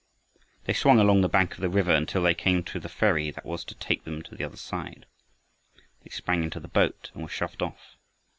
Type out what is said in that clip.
They swung along the bank of the river until they came to the ferry that was to take them to the other side. They sprang into the boat and were shoved off.